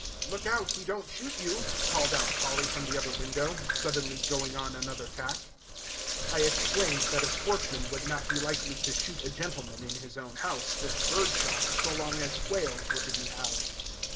"Look out he don't shoot you," called out Polly from the other window, suddenly going on another tack. I explained that a sportsman would not be likely to shoot a gentleman in his own house, with bird shot, so long as quails were to be had.